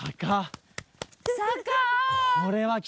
坂。